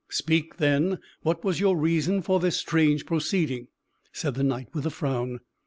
"Speak, then; what was your reason for this strange proceeding?" said the Knight with a frown.